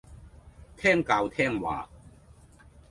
聽教聽話